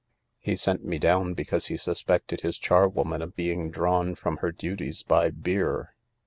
He sent me down because he suspected his charwoman of being drawn from her duties by beer.